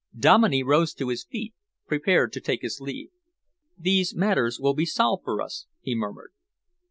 Dominey rose to his feet, prepared to take his leave. "These matters will be solved for us," he murmured.